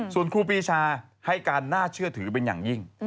ส่วนครูปีชาให้การน่าเชื่อถือเป็นอย่างยิ่ง